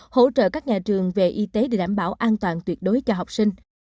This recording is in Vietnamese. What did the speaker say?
hỗ trợ các nhà trường về y tế để đảm bảo an toàn tuyệt đối cho học sinh